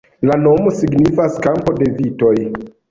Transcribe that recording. La nomo signifas "kampo de vitoj".